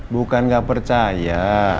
bukan gak percaya